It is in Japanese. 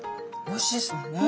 おいしいですもんね。